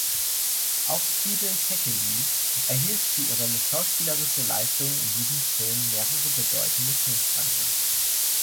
Auch Sibel Kekilli erhielt für ihre schauspielerische Leistung in diesem Film mehrere bedeutende Filmpreise.